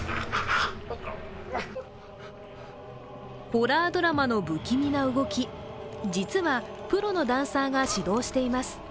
ホラードラマの不気味な動き、実はプロのダンサーが指導しています。